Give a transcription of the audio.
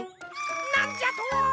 なんじゃと！？